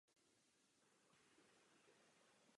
Po odchodu ze skupiny odešel Khan na několik let do ústraní.